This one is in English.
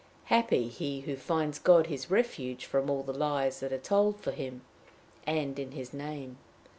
Happy he who finds God his refuge from all the lies that are told for him, and in his name!